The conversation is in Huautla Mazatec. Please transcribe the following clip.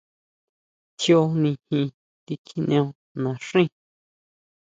Tjíó nijin tikjineo naxíi.